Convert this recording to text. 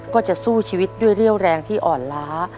ก็จะสู้ชีวิตด้วยเรี่ยวแรงที่อ่อนล้า